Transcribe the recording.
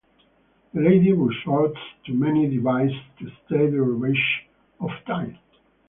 The lady resorts to many devices to stay the ravages of time.